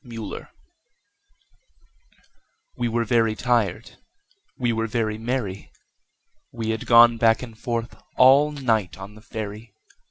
Recuerdo WE WERE very tired, we were very merry We had gone back and forth all night on the ferry.